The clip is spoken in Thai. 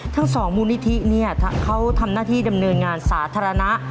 ทั้ง๒มูลนิธิเขาทำหน้าที่ดำเนินงานสาธารณะ